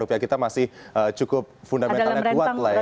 rupiah kita masih cukup fundamental dan kuat lah ya